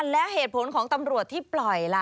แล้วเหตุผลของตำรวจที่ปล่อยล่ะ